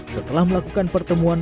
setelah melakukan pertemuan